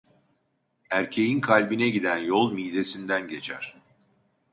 Erkeğin kalbine giden yol midesinden geçer.